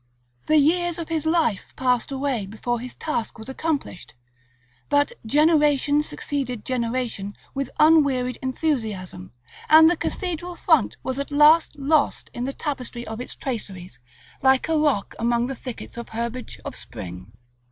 The years of his life passed away before his task was accomplished; but generation succeeded generation with unwearied enthusiasm, and the cathedral front was at last lost in the tapestry of its traceries, like a rock among the thickets and herbage of spring.